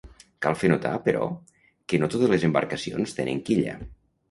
Cal fer notar, però, que no totes les embarcacions tenen quilla.